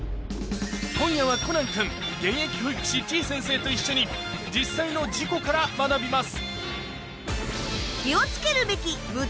今夜はコナン君現役保育士てぃ先生と一緒に実際の事故から学びます